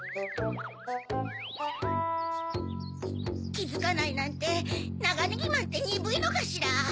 きづかないなんてナガネギマンってにぶいのかしら？